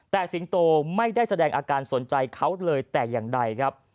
แต่สิงโตไม่ได้แสดงอาการสนใจเขาเลยแต่อย่างใดครับ